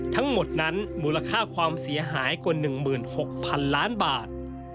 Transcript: ทั้งหมดนั้นมูลค่าความเสียหายกว่า๑๖๐๐๐ล้านบาท